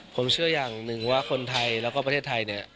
ผมเชื่ออย่างหนึ่งว่าคนไทยแล้วก็ประเทศไทยเนี่ย